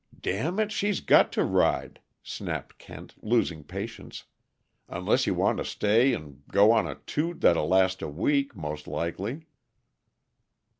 "Damn it, she's got to ride!" snapped Kent, losing patience. "Unless you want to stay and go on a toot that'll last a week, most likely."